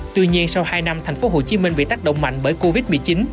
tuy nhiên sau hai năm thành phố hồ chí minh bị tác động mạnh bởi covid một mươi chín